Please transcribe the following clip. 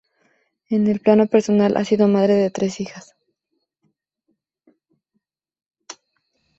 En el plano personal, ha sido madre de tres hijas.